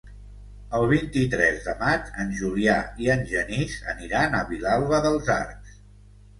El vint-i-tres de maig en Julià i en Genís aniran a Vilalba dels Arcs.